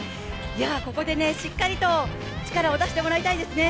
ここでしっかりと力を出してもらいたいですね。